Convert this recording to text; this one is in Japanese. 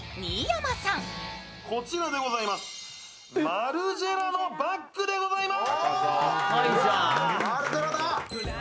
マルジェラのバッグでございます。